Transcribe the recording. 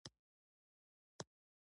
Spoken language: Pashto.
د ګلو څانګه یې جوړه کړه.